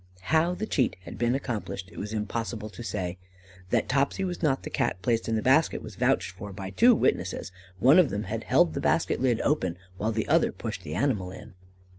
How the cheat had been accomplished, it was impossible to say. That Topsy was not the Cat placed in the basket was vouched for by two witnesses one of them had held the basket lid open while the other pushed the animal in.